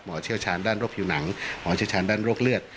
เชี่ยวชาญด้านโรคผิวหนังหมอเชี่ยวชาญด้านโรคเลือด